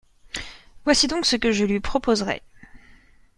Voici donc ce que je lui proposerais.